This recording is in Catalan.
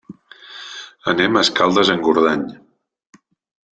Anem a Escaldes-Engordany.